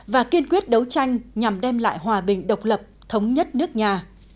và kiên quyết đấu tranh nhằm đem lại hòa bình độc lập thống nhất nước nhà